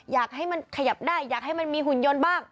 อยากให้มันขยับได้อยากให้มันมีหุ่นยนต์บ้าง